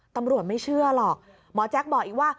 ตำรวจไม่เชื่อหรอกหมอแจ๊คบอกอีกว่า